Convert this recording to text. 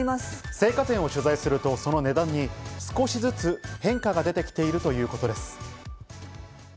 青果店を取材すると、その値段に少しずつ変化が出てきているということです。